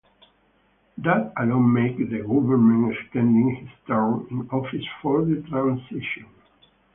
That alone make the government extending his term in office for the transition.